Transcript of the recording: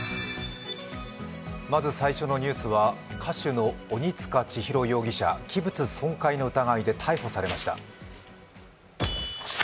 まず最初のニュースは歌手の鬼束ちひろ容疑者、器物損壊の疑いで逮捕されました。